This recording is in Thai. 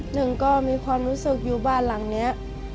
หนึ่งก็มีความรู้สึกอยู่บ้านหลังนี้